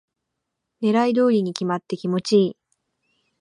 狙い通りに決まって気持ちいい